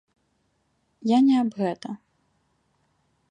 Я не аб гэта.